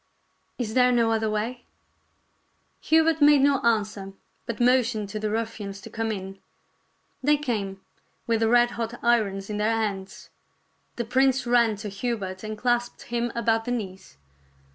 Is there no other way ?" Hubert made no answer, but motioned to the rufifians to come in. They came, with the red hot irons in their hands. The prince ran to Hubert and clasped him about the knees.